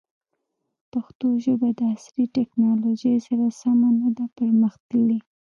پښتو ژبه د عصري تکنالوژۍ سره سمه نه ده پرمختللې.